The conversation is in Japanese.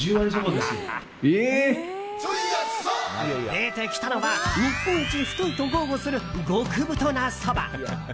出てきたのは、日本一太いと豪語する極太なそば。